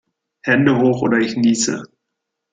Hände hoch oder ich niese!